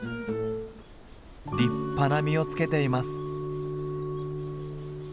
立派な実をつけています。